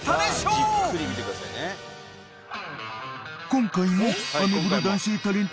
［今回も］